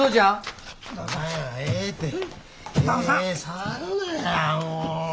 触るなやもう！